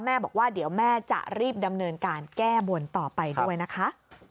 บอกว่าเดี๋ยวแม่จะรีบดำเนินการแก้บนต่อไปด้วยนะคะ